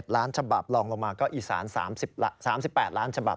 ล้านฉบับลองลงมาก็อีสาน๓๘ล้านฉบับ